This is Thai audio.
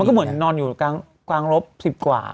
แล้วก็เหมือนนอนอยู่กลางลบ๑๐กว่า